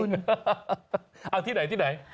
เอาที่ไหน